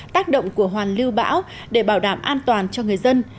tác động của hoàn lưu bão để bảo đảm an toàn cho người dân